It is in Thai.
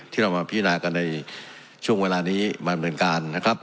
ที่เรามาพินากันในช่วงเวลานี้มาดำเนินการนะครับ